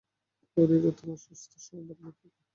হরির ও তোমার সুস্থ সংবাদ লিখিবে।